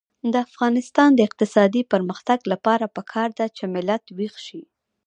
د افغانستان د اقتصادي پرمختګ لپاره پکار ده چې ملت ویښ شي.